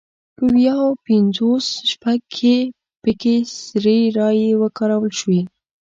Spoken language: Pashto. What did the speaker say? په ویا پینځوس شپږ کې پکې سري رایې وکارول شوې.